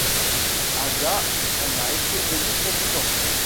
Hada en a été élu président.